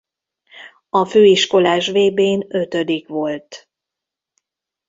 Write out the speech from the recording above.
A főiskolás vb-n ötödik volt.